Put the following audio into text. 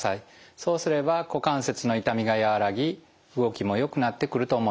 そうすれば股関節の痛みが和らぎ動きもよくなってくると思います。